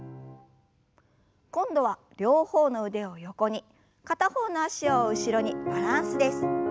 今度は両方の腕を横に片方の脚を後ろにバランスです。